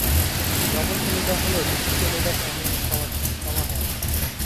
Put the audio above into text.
Double Feluda হল দুটি ফেলুদা কাহিনীর সমাহার।